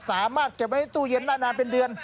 สามารถเก็บไว้ตู้เย็นได้นานเป็นเดือน